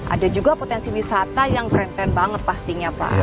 ada juga potensi wisata yang brand trend banget pastinya pak